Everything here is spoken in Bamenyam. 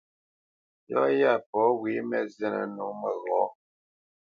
Yɔ́ yá pɔ̂ wé mǝ́ zínǝ́ nǒ məghɔ̌.